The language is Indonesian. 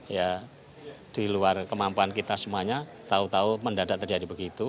ya di luar kemampuan kita semuanya tahu tahu mendadak terjadi begitu